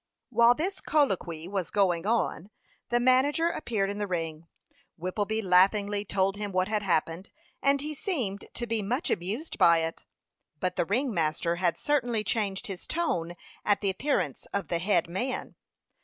While this colloquy was going on, the manager appeared in the ring. Whippleby laughingly told him what had happened, and he seemed to be much amused by it; but the ring master had certainly changed his tone at the appearance of the "head man."